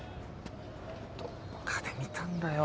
どっかで見たんだよ。